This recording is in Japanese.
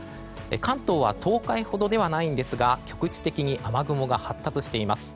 関東は東海ほどではないんですが局地的に雨雲が発達しています。